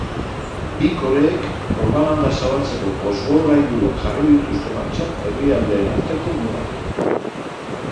Bi koreek propaganda zabaltzeko bozgorailuak jarri dituzte martxan herrialdeen arteko mugan.